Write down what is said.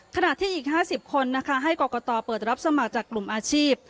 ขณะที่อีก๕๐คนนะคะให้กรกตเปิดรับสมัครจากกลุ่มอาชีพ